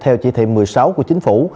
theo chỉ thị một mươi sáu của chính phủ